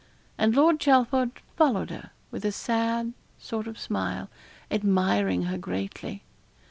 And Lord Chelford followed her, with a sad sort of smile, admiring her greatly.